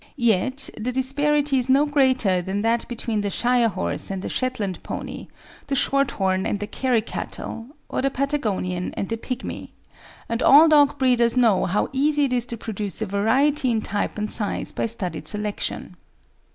Yet the disparity is no greater than that between the Shire horse and the Shetland pony, the Shorthorn and the Kerry cattle, or the Patagonian and the Pygmy; and all dog breeders know how easy it is to produce a variety in type and size by studied selection.